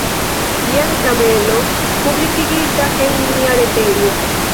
Jen tabelo, publikigita en nia retejo.